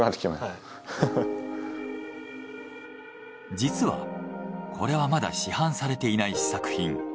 実はこれはまだ市販されていない試作品。